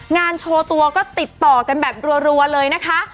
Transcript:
งานโชว์ตัวก็ติดต่อกันแบบรัวเลยนะคะ